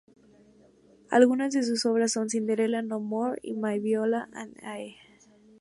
Algunas de sus obras son "Cinderella No More" y "My viola and I".